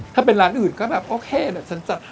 ถ้าเป็นร้านอื่นก็แบบโอเคนะฉันจัดหาย